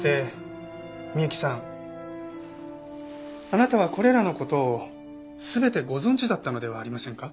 あなたはこれらの事を全てご存じだったのではありませんか？